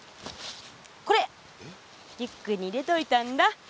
これリュックに入れといたんだ。